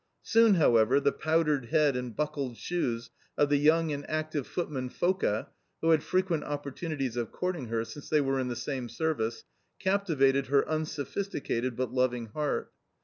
Soon, however, the powdered head and buckled shoes of the young and active footman Foka (who had frequent opportunities of courting her, since they were in the same service) captivated her unsophisticated, but loving, heart.